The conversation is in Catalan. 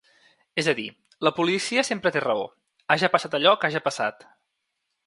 És a dir, la policia sempre té raó, haja passat allò que haja passat.